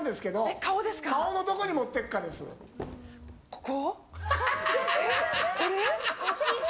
ここ？